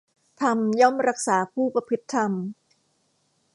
ธรรมย่อมรักษาผู้ประพฤติธรรม